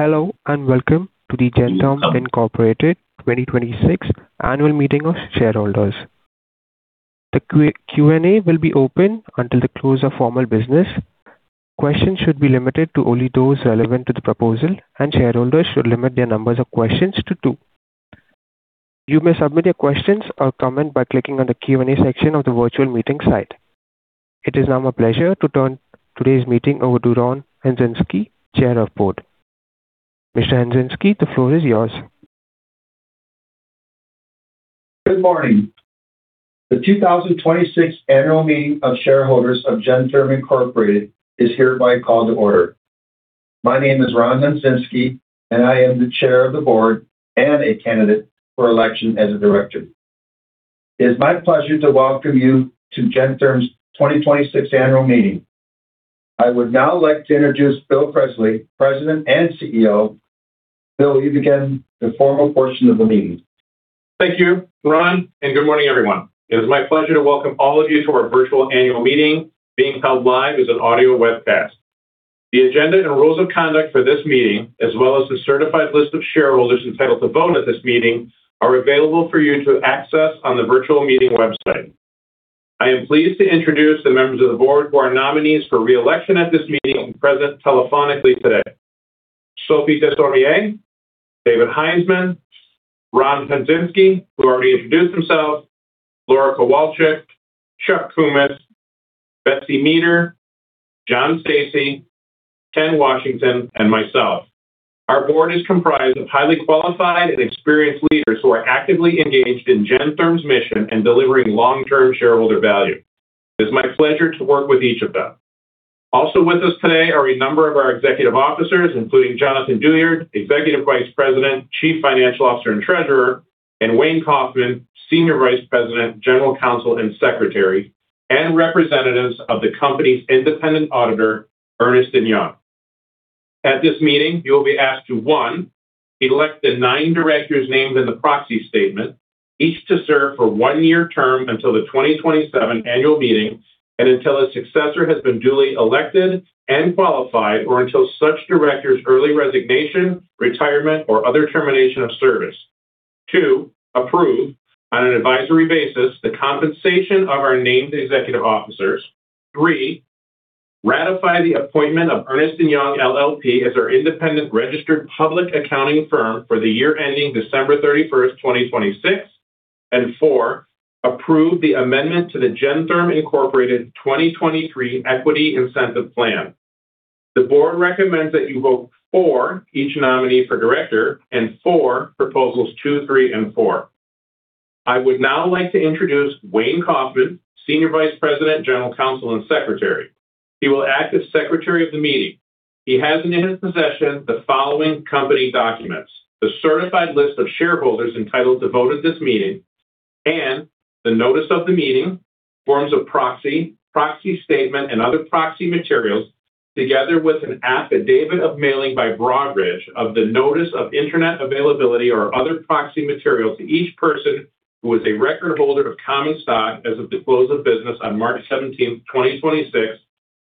Hello, welcome to the Gentherm Incorporated 2026 Annual Meeting of Shareholders. The Q&A will be open until the close of formal business. Questions should be limited to only those relevant to the proposal. Shareholders should limit their numbers of questions to two. You may submit your questions or comment by clicking on the Q&A section of the virtual meeting site. It is now my pleasure to turn today's meeting over to Ron Hundzinski, Chair of Board. Mr. Hundzinski, the floor is yours. Good morning. The 2026 Annual Meeting of Shareholders of Gentherm Incorporated is hereby called to order. My name is Ron Hundzinski, and I am the Chair of the Board and a candidate for election as a director. It is my pleasure to welcome you to Gentherm's 2026 Annual Meeting. I would now like to introduce Bill Presley, President and CEO. Bill, you begin the formal portion of the meeting. Thank you, Ron, and good morning, everyone. It is my pleasure to welcome all of you to our virtual annual meeting being held live as an audio webcast. The agenda and rules of conduct for this meeting, as well as the certified list of shareholders entitled to vote at this meeting, are available for you to access on the virtual meeting website. I am pleased to introduce the members of the board who are nominees for re-election at this meeting present telephonically today. Sophie Desormière, David Heinzmann, Ron Hundzinski, who already introduced himself, Laura Kowalchik, Chuck Kummeth, Betsy Meter, John Stacey, Ken Washington, and myself. Our Board is comprised of highly qualified and experienced leaders who are actively engaged in Gentherm's mission in delivering long-term shareholder value. It is my pleasure to work with each of them. Also with us today are a number of our executive officers, including Jonathan Douyard, Executive Vice President, Chief Financial Officer, and Treasurer, and Wayne Kauffman, Senior Vice President, General Counsel, and Secretary, and representatives of the company's independent auditor, Ernst & Young. At this meeting, you'll be asked to, one, elect the nine directors named in the proxy statement, each to serve for a one-year term until the 2027 Annual Meeting and until a successor has been duly elected and qualified or until such director's early resignation, retirement, or other termination of service. Two, approve on an advisory basis the compensation of our named executive officers. Three, ratify the appointment of Ernst & Young LLP as our independent registered public accounting firm for the year ending December 31st, 2026. Four, approve the amendment to the Gentherm Incorporated 2023 Equity Incentive Plan. The board recommends that you vote for each nominee for director and for proposals two, three, and four. I would now like to introduce Wayne Kauffman, Senior Vice President, General Counsel and Secretary. He will act as secretary of the meeting. He has in his possession the following company documents: the certified list of shareholders entitled to vote at this meeting and the notice of the meeting, forms of proxy statement, and other proxy materials, together with an affidavit of mailing by Broadridge of the notice of internet availability or other proxy material to each person who is a record holder of common stock as of the close of business on March 17th, 2026,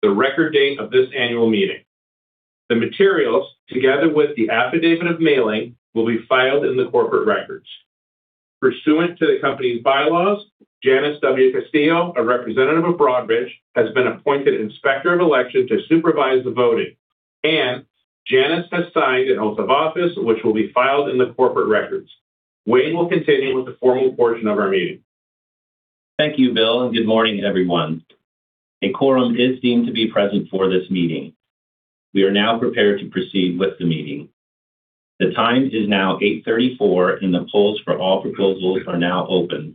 the record date of this annual meeting. The materials, together with the affidavit of mailing, will be filed in the corporate records. Pursuant to the company's bylaws, Janice W. Castillo, a representative of Broadridge, has been appointed Inspector of Election to supervise the voting, and Janice has signed an oath of office, which will be filed in the corporate records. Wayne will continue with the formal portion of our meeting. Thank you, Bill, and good morning, everyone. A quorum is deemed to be present for this meeting. We are now prepared to proceed with the meeting. The time is now 8:34 A.M., and the polls for all proposals are now open.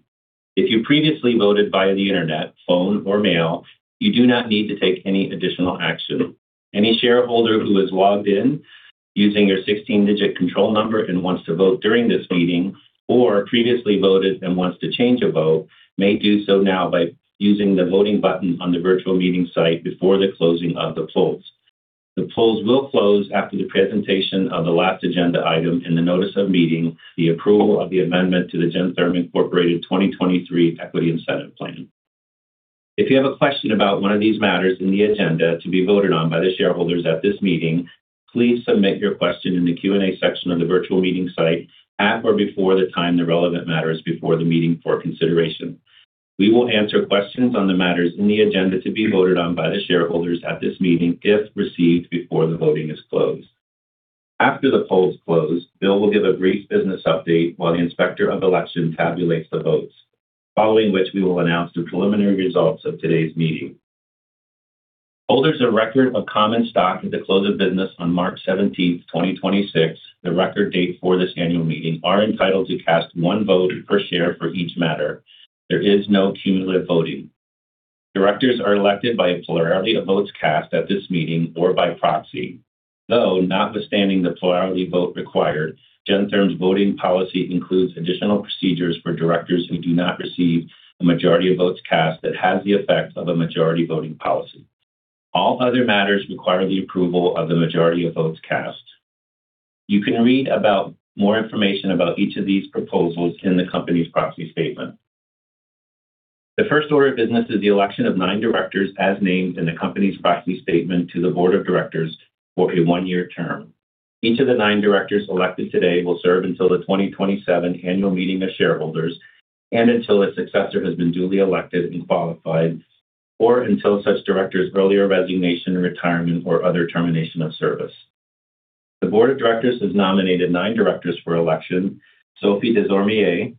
If you previously voted via the Internet, phone, or mail, you do not need to take any additional action. Any shareholder who has logged in using your 16-digit control number and wants to vote during this meeting or previously voted and wants to change a vote may do so now by using the voting button on the virtual meeting site before the closing of the polls. The polls will close after the presentation of the last agenda item in the notice of meeting the approval of the amendment to the Gentherm Incorporated 2023 Equity Incentive Plan. If you have a question about one of these matters in the agenda to be voted on by the shareholders at this meeting, please submit your question in the Q&A section on the virtual meeting site at or before the time the relevant matter is before the meeting for consideration. We will answer questions on the matters in the agenda to be voted on by the shareholders at this meeting if received before the voting is closed. After the polls close, Bill will give a brief business update while the Inspector of Election tabulates the votes, following which we will announce the preliminary results of today's meeting. Holders of record of common stock at the close of business on March 17th, 2026, the record date for this annual meeting, are entitled to cast 1 vote per share for each matter. There is no cumulative voting. Directors are elected by a plurality of votes cast at this meeting or by proxy. Notwithstanding the plurality vote required, Gentherm's voting policy includes additional procedures for directors who do not receive a majority of votes cast that has the effect of a majority voting policy. All other matters require the approval of the majority of votes cast. You can read about more information about each of these proposals in the company's proxy statement. The first order of business is the election of nine directors as named in the company's proxy statement to the Board of Directors for a one-year term. Each of the nine directors elected today will serve until the 2027 Annual Meeting of Shareholders and until a successor has been duly elected and qualified, or until such director's earlier resignation, retirement, or other termination of service. The Board of Directors has nominated nine directors for election: Sophie Desormière,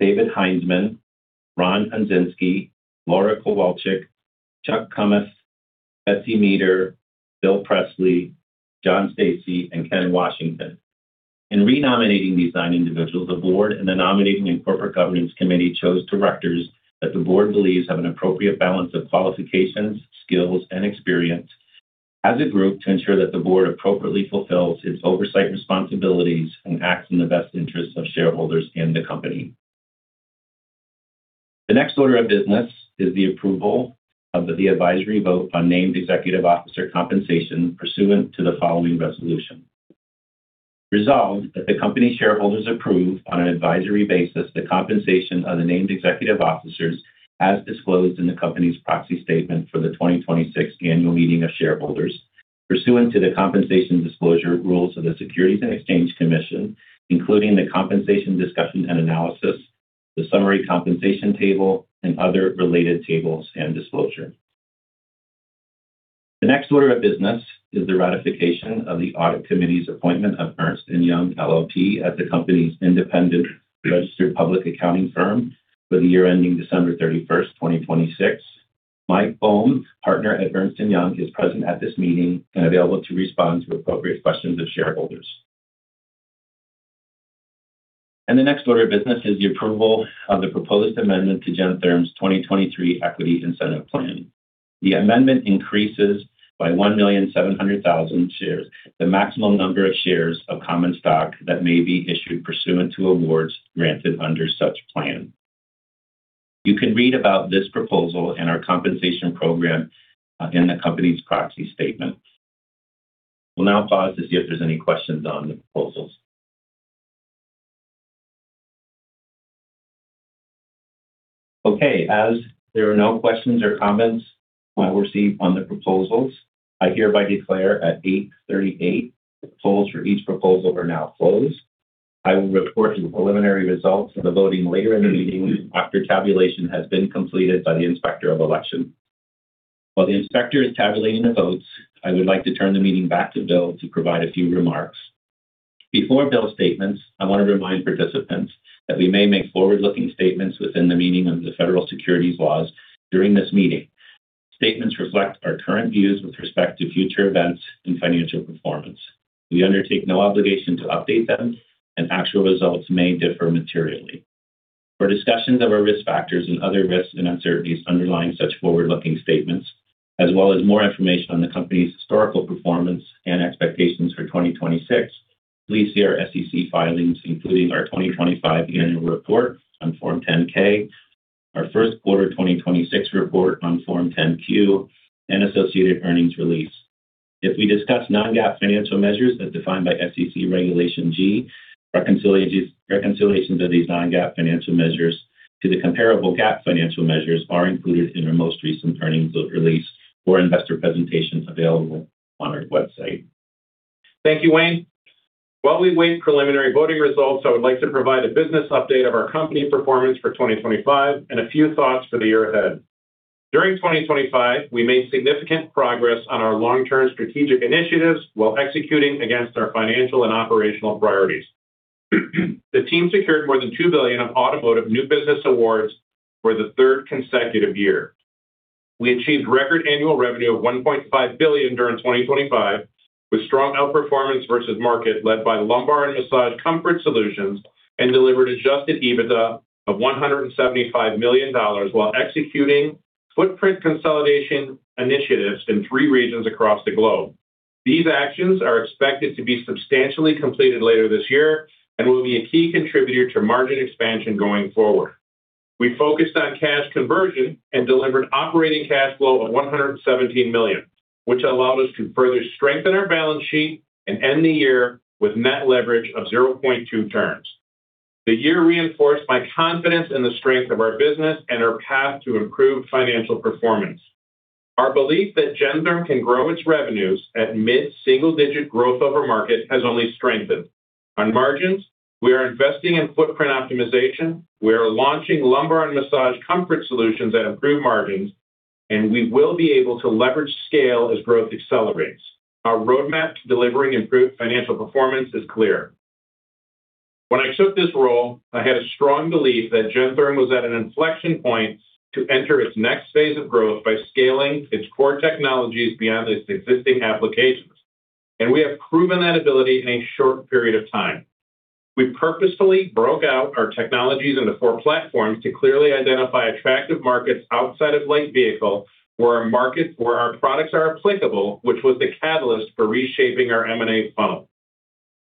David Heinzmann, Ron Hundzinski, Laura Kowalchik, Charles Kummeth, Betsy Meter, Bill Presley, John Stacey, and Ken Washington. In re-nominating these nine individuals, the Board and the Nominating and Corporate Governance Committee chose directors that the board believes have an appropriate balance of qualifications, skills, and experience as a group to ensure that the board appropriately fulfills its oversight responsibilities and acts in the best interests of shareholders and the company. The next order of business is the approval of the advisory vote on named executive officer compensation pursuant to the following resolution. Resolved that the company shareholders approve on an advisory basis the compensation of the named executive officers as disclosed in the company's proxy statement for the 2026 Annual Meeting of Shareholders pursuant to the compensation disclosure rules of the Securities and Exchange Commission, including the compensation discussion and analysis, the summary compensation table, and other related tables and disclosure. The next order of business is the ratification of the Audit Committee's appointment of Ernst & Young LLP as the company's independent registered public accounting firm for the year ending December 31st, 2026. Mike Boehm, Partner at Ernst & Young, is present at this meeting and available to respond to appropriate questions of shareholders. The next order of business is the approval of the proposed amendment to Gentherm's 2023 Equity Incentive Plan. The amendment increases by 1,700,000 shares the maximum number of shares of common stock that may be issued pursuant to awards granted under such plan. You can read about this proposal and our compensation program in the company's proxy statement. We'll now pause to see if there's any questions on the proposals. Okay. As there are no questions or comments received on the proposals, I hereby declare at 8:38 A.M., polls for each proposal are now closed. I will report the preliminary results of the voting later in the meeting after tabulation has been completed by the Inspector of Election. While the inspector is tabulating the votes, I would like to turn the meeting back to Bill to provide a few remarks. Before Bill's statements, I want to remind participants that we may make forward-looking statements within the meaning of the federal securities laws during this meeting. Statements reflect our current views with respect to future events and financial performance. We undertake no obligation to update them. Actual results may differ materially. For discussions of our risk factors and other risks and uncertainties underlying such forward-looking statements, as well as more information on the company's historical performance and expectations for 2026, please see our SEC filings, including our 2025 Annual Report on Form 10-K, our first quarter 2026 report on Form 10-Q, and associated earnings release. If we discuss non-GAAP financial measures as defined by SEC Regulation G, reconciliations of these non-GAAP financial measures to the comparable GAAP financial measures are included in our most recent earnings release or investor presentations available on our website. Thank you, Wayne. While we wait preliminary voting results, I would like to provide a business update of our company performance for 2025 and a few thoughts for the year ahead. During 2025, we made significant progress on our long-term strategic initiatives while executing against our financial and operational priorities. The team secured more than $2 billion of automotive new business awards for the third consecutive year. We achieved record annual revenue of $1.5 billion during 2025, with strong outperformance versus market led by lumbar and massage comfort solutions, and delivered adjusted EBITDA of $175 million while executing footprint consolidation initiatives in three regions across the globe. These actions are expected to be substantially completed later this year and will be a key contributor to margin expansion going forward. We focused on cash conversion and delivered operating cash flow of $117 million, which allowed us to further strengthen our balance sheet and end the year with net leverage of 0.2 turns. The year reinforced my confidence in the strength of our business and our path to improved financial performance. Our belief that Gentherm can grow its revenues at mid-single digit growth over market has only strengthened. On margins, we are investing in footprint optimization, we are launching lumbar and massage comfort solutions that improve margins, and we will be able to leverage scale as growth accelerates. Our roadmap to delivering improved financial performance is clear. When I took this role, I had a strong belief that Gentherm was at an inflection point to enter its next phase of growth by scaling its core technologies beyond its existing applications. We have proven that ability in a short period of time. We purposefully broke out our technologies into four platforms to clearly identify attractive markets outside of light vehicle where our products are applicable, which was the catalyst for reshaping our M&A funnel.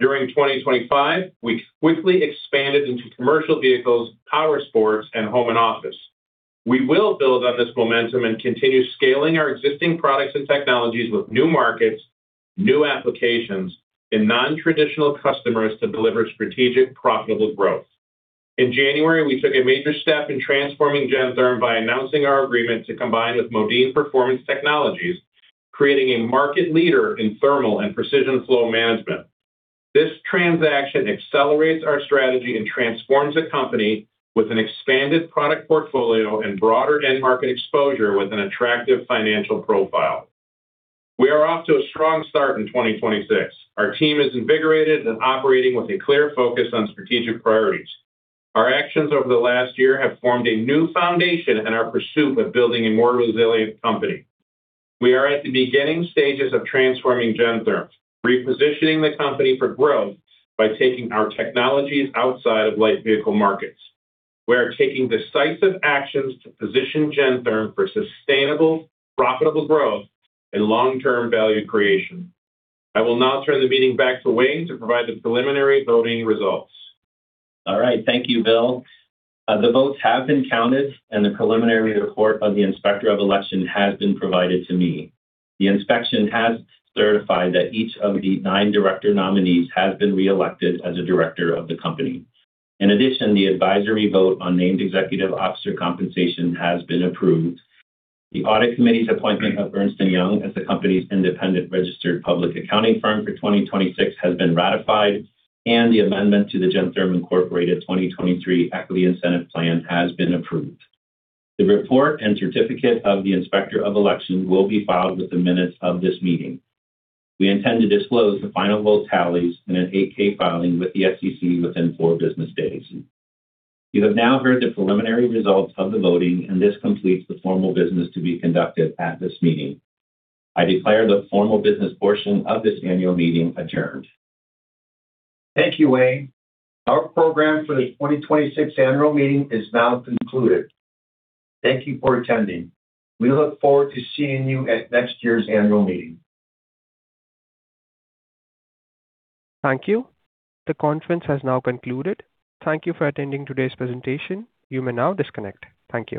During 2025, we quickly expanded into commercial vehicles, powersports, and home and office. We will build on this momentum and continue scaling our existing products and technologies with new markets, new applications in nontraditional customers to deliver strategic profitable growth. In January, we took a major step in transforming Gentherm by announcing our agreement to combine with Modine Performance Technologies, creating a market leader in thermal and precision flow management. This transaction accelerates our strategy and transforms the company with an expanded product portfolio and broader end-market exposure with an attractive financial profile. We are off to a strong start in 2026. Our team is invigorated and operating with a clear focus on strategic priorities. Our actions over the last year have formed a new foundation in our pursuit of building a more resilient company. We are at the beginning stages of transforming Gentherm, repositioning the company for growth by taking our technologies outside of light vehicle markets. We are taking decisive actions to position Gentherm for sustainable, profitable growth and long-term value creation. I will now turn the meeting back to Wayne to provide the preliminary voting results. All right. Thank you, Bill. The votes have been counted, and the preliminary report of the Inspector of Election has been provided to me. The inspection has certified that each of the nine director nominees has been reelected as a director of the company. In addition, the advisory vote on named executive officer compensation has been approved. The Audit Committee's appointment of Ernst & Young as the company's independent registered public accounting firm for 2026 has been ratified, and the amendment to the Gentherm Incorporated 2023 Equity Incentive Plan has been approved. The report and certificate of the Inspector of Election will be filed with the minutes of this meeting. We intend to disclose the final vote tallies in an 8-K filing with the SEC within four business days. You have now heard the preliminary results of the voting, and this completes the formal business to be conducted at this meeting. I declare the formal business portion of this annual meeting adjourned. Thank you, Wayne. Our program for the 2026 annual meeting is now concluded. Thank you for attending. We look forward to seeing you at next year's annual meeting. Thank you. The conference has now concluded. Thank you for attending today's presentation. You may now disconnect. Thank you.